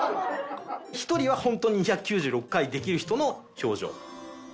１人は本当に２９６回できる人の表情。